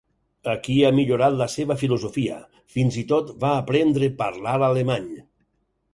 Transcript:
Aquí, ha millorat la seva filosofia, fins i tot va aprendre parlar alemany.